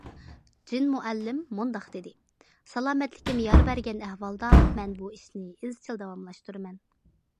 جىن مۇئەللىم مۇنداق دېدى: سالامەتلىكىم يار بەرگەن ئەھۋالدا مەن بۇ ئىشنى ئىزچىل داۋاملاشتۇرىمەن.